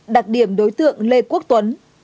đặc điểm đối tượng lê quốc tuấn